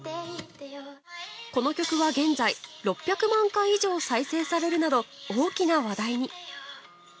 この曲は現在６００万回以上再生されるなど大きな話題に。